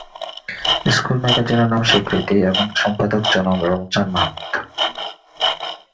School ম্যাগাজিনের নাম 'স্বীকৃতি' এবং সম্পাদক জনাব রমজান মাহমুদ।